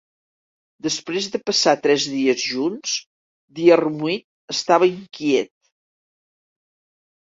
Després de passar tres dies junts, Diarmuid estava inquiet.